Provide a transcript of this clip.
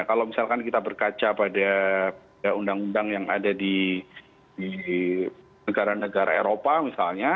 kalau misalkan kita berkaca pada undang undang yang ada di negara negara eropa misalnya